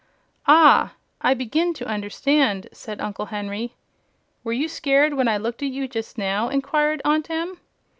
"Ah, I begin to understand," said Uncle Henry. "Were you scared when I looked at you just now?" inquired Aunt Em.